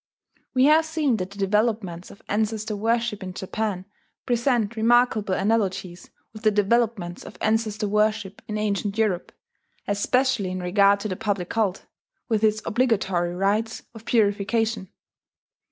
We have seen that the developments of ancestor worship in Japan present remarkable analogies with the developments of ancestor worship in ancient Europe, especially in regard to the public cult, with its obligatory rites of purification.